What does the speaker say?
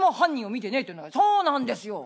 「そうなんですよ。